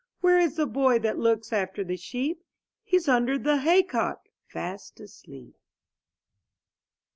Where is the boy that looks after the sheep? He's under the hay cock, fast asleep.